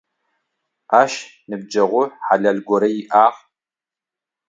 Ащ ныбджэгъу хьалэл горэ иӏагъ.